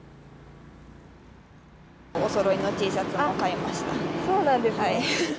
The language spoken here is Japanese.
おそろいのＴシャツも買いまそうなんですね。